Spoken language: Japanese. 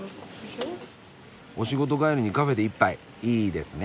お仕事帰りにカフェで１杯いいですね。